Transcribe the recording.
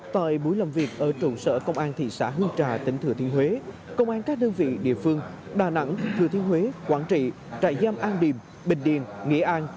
tại buổi làm việc ở trụ sở công an thị xã hương trà tỉnh thừa thiên huế công an các đơn vị địa phương đà nẵng thừa thiên huế quảng trị trại giam an điềm bình điền nghĩa an